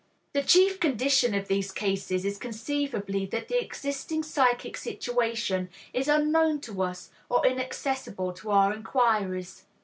The chief condition of these cases is conceivably that the existing psychic situation is unknown to us or inaccessible to our inquiries.